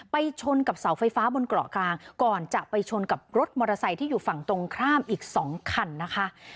ชนกับเสาไฟฟ้าบนเกาะกลางก่อนจะไปชนกับรถมอเตอร์ไซค์ที่อยู่ฝั่งตรงข้ามอีกสองคันนะคะ